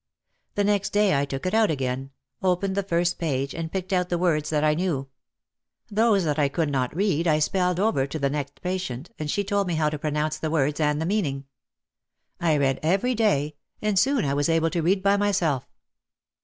The next day I took it out again, opened to the first page and picked out the words that I knew. Those that I could OUT OF THE SHADOW 245 not read I spelled over to the next patient and she told me how to pronounce the words and the meaning. I read every day and soon I was able to read by myself.